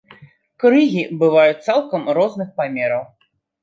Крыгі бываюць цалкам розных памераў.